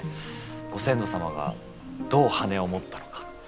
ご先祖様がどう羽を持ったのか。